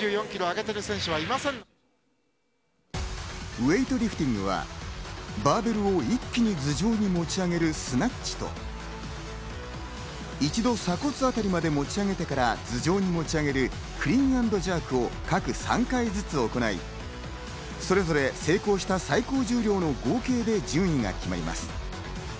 ウエイトリフティングはバーベルを一気に頭上に持ち上げるスナッチと、一度鎖骨辺りまで持ち上げてから頭上に持ち上げるクリーン＆ジャークを各３回ずつ行い、それぞれ成功した最高重量の合計で順位が決まります。